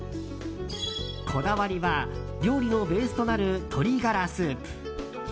こだわりは料理のベースとなる鶏ガラスープ。